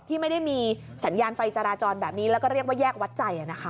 ที่ไม่ได้มีสัญญาณไฟจราจรแบบนี้แล้วก็เรียกว่าแยกวัดใจนะคะ